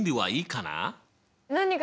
何が？